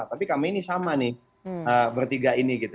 tapi kami ini sama nih bertiga ini gitu